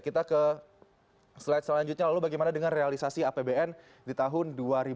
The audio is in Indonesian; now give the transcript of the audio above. kita ke slide selanjutnya lalu bagaimana dengan realisasi apbn di tahun dua ribu dua puluh